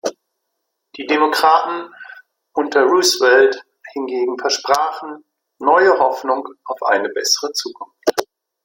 Die Demokraten unter Roosevelt hingegen versprachen neue Hoffnung auf eine bessere Zukunft.